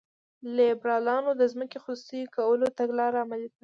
لیبرالانو د ځمکې خصوصي کولو تګلاره عملي کړه.